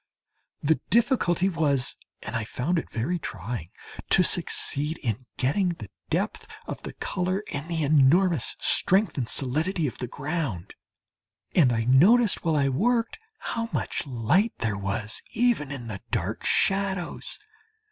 The difficulty was and I found it very trying to succeed in getting the depth of the colour and the enormous strength and solidity of the ground and I noticed while I worked how much light there was even in the dark shadows!